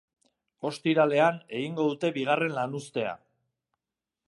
Ostiralean egingo dute bigarren lanuztea.